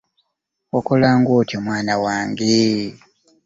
Okolanga otyo mwana wange.